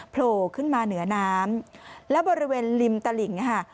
โผล่ขึ้นมาเหนือน้ำแล้วบริเวณริมตลิ่งค่ะ